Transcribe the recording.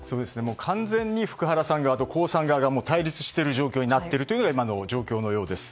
完全に福原さん側と江さん側が対立しているというのが今の状況のようです。